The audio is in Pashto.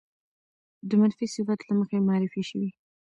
د منفي صفت له مخې معرفې شوې